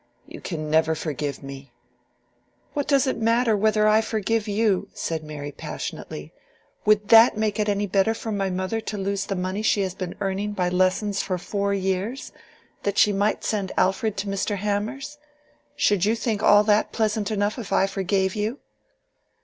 "You can never forgive me." "What does it matter whether I forgive you?" said Mary, passionately. "Would that make it any better for my mother to lose the money she has been earning by lessons for four years, that she might send Alfred to Mr. Hanmer's? Should you think all that pleasant enough if I forgave you?"